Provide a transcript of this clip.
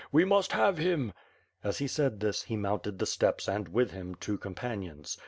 We must have him." As he said this, he mounted the steps and, with him, two companions.